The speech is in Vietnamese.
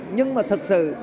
nhưng mà thật sự